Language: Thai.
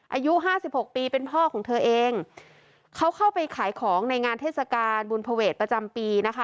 อายุห้าสิบหกปีเป็นพ่อของเธอเองเขาเข้าไปขายของในงานเทศกาลบุญภเวทประจำปีนะคะ